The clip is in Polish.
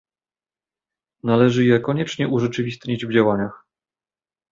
Należy je koniecznie urzeczywistnić w działaniach